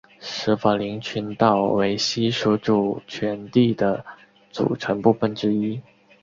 舍法林群岛为西属主权地的组成部分之一。